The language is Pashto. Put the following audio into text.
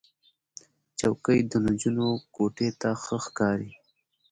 چوکۍ د نجونو کوټې ته ښه ښکاري.